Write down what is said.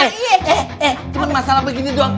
eh cuman masalah begini doang